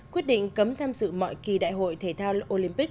quyết định cấm tham dự mọi kỳ đại hội thể thao olympic